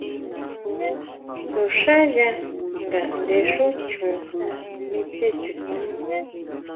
To xá ya ngaʼnde xú chon mi té chuta.